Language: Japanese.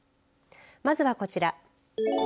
まずはこちら。